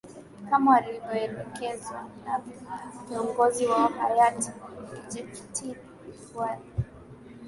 kama walivyoelekezwa na kiongozi wao hayati Kinjekitile Ngwale